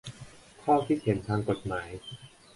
ข้อคิดเห็นทางกฎหมาย